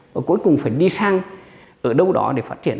và cuối cùng phải đi sang ở đâu đó để phát triển